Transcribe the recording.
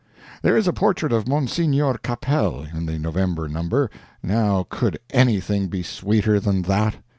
There is a portrait of Monsignore Capel in the November number, now could anything be sweeter than that?